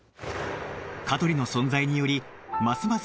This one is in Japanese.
香取の存在によりますます